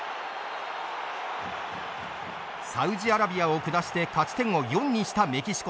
サウジアラビアを下して勝ち点を４にしたメキシコ。